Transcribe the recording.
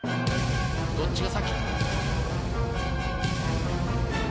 どっちが先？